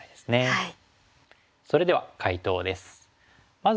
はい。